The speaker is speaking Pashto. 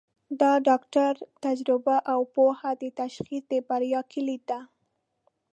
د ډاکټر تجربه او پوهه د تشخیص د بریا کلید ده.